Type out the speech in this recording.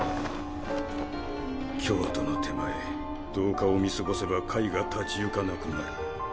教徒の手前同化を見過ごせば会が立ち行かなくなる。